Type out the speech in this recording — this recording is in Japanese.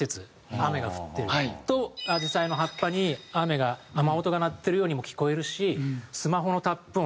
雨が降ってると紫陽花の葉っぱに雨が雨音が鳴ってるようにも聞こえるしスマホのタップ音。